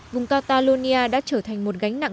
vùng catalonia đã trở thành một gánh nặng